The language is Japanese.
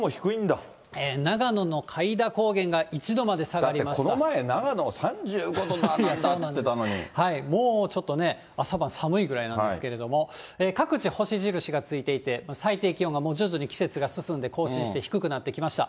長野の開田高原が１度まで下だってこの前長野、もうちょっとね、朝晩、寒いくらいなんですけども、各地星印がついていて、最低気温が徐々に季節が進んで、低くなってきました。